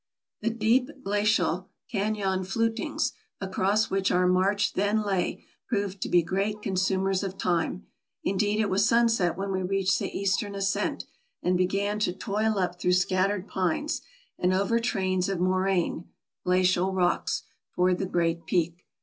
The deep glacial canon flutings across which our march then lay proved to be great consumers of time ; indeed it was sunset when we reached the eastern ascent, and began to toil up through scattered pines, and over trains of moraine [glacial] rocks, toward the great peak.